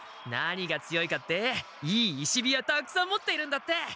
何が強いかっていい石火矢たくさん持っているんだって！